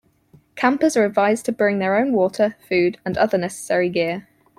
Campers are advised to bring their own water, food, and other necessary gear.